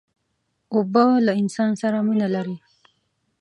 اوبه له انسان سره مینه لري.